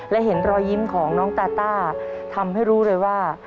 และเห็นรอยยิ้มของน้องตาต้าทำให้รู้เลยว่า